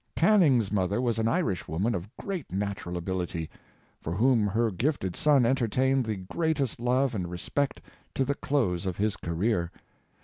Canning's mother was an Irish woman of great natu ral ability, for whom her gifted son entertained the greatest love and respect to the close of his career.